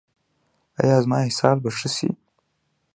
ایا زما اسهال به ښه شي؟